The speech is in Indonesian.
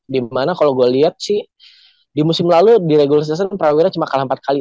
dimana kalau gue lihat sih di musim lalu di regular season prawira cuma kalah empat kali